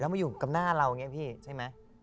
มาอยู่กับหน้าเราอย่างนี้พี่ใช่ไหม